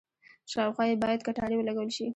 شاوخوا یې باید کټارې ولګول شي.